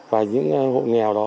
và những hộ nghèo đó